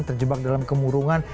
terjebak dalam kemurungan